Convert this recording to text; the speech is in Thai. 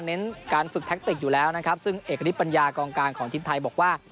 เน้นการฝึกแท็กติกอยู่แล้วนะครับซึ่งเอกฤทธปัญญากองกลางของทีมไทยบอกว่า